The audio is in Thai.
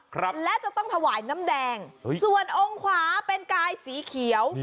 ครับและจะต้องถวายน้ำแดงส่วนองค์ขวาเป็นกายสีเขียว